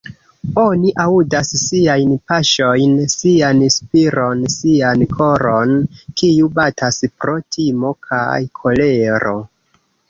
Oni aŭdas siajn paŝojn, sian spiron, sian koron, kiu batas pro timo kaj kolero...